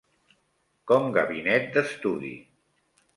Com gabinet d'estudi